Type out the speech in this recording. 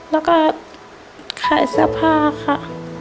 แล้วก็ขายเสื้อผ้าค่ะ